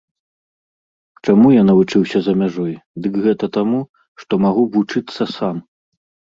Чаму я навучыўся за мяжой, дык гэта таму, што магу вучыцца сам.